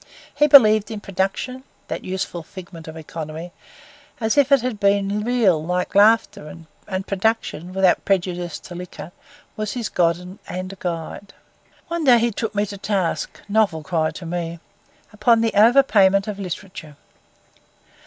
He believed in production, that useful figment of economy, as if it had been real like laughter; and production, without prejudice to liquor, was his god and guide. One day he took me to task—novel cry to me—upon the over payment of literature.